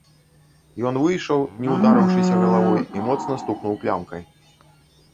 Ён выйшаў, не ўдарыўшыся галавой, і моцна стукнуў клямкай.